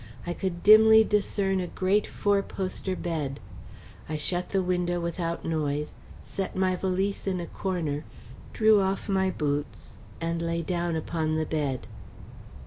I could dimly discern a great four poster bed. I shut the window without noise, set my valise in a corner, drew off my boots and lay down upon the bed.